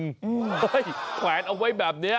เฮ้ยแขวนเอาไว้แบบนี้